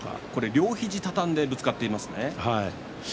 両ひじ、畳んでぶつかっていきます。